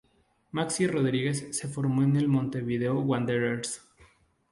Maxi Rodríguez se formó en el Montevideo Wanderers.